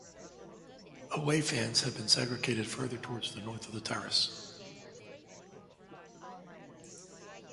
Away fans have been segregated further towards the north of the terrace.